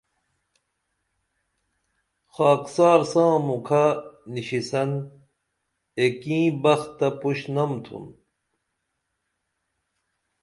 خاکسار ساں مُکھہ نِشی سن ایکیں بخ تہ پُشنم تُھن